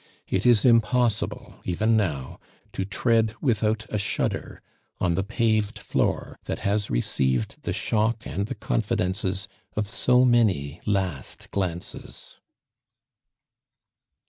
It is impossible even now to tread without a shudder on the paved floor that has received the shock and the confidences of so many last glances.